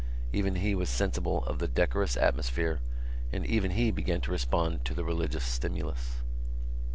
Even he was sensible of the decorous atmosphere and even he began to respond to the religious stimulus.